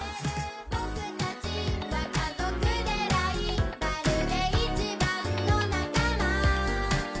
「ぼくたちは家族でライバルで一番の仲間」